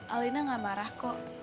alina gak marah kok